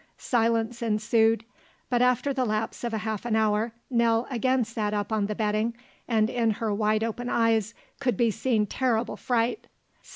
Silence ensued. But after the lapse of half an hour Nell again sat up on the bedding and in her wide open eyes could be seen terrible fright.